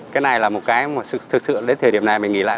cái này là một cái mà thực sự đến thời điểm này mình nghỉ lại